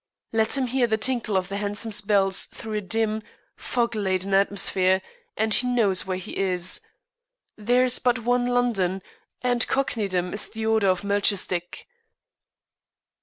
Let him hear the tinkle of the hansoms' bells through a dim, fog laden atmosphere, and he knows where he is. There is but one London, and Cockneydom is the order of Melchisedek.